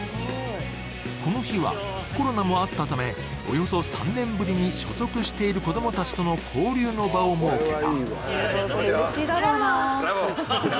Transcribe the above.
この日は、コロナもあったためおよそ３年ぶりに所属している子供たちとの交流の場を設けた。